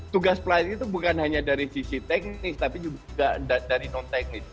tugas pelatih itu bukan hanya dari sisi teknis tapi juga dari non teknis